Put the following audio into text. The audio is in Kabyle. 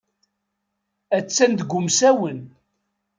Attan deg umsawen.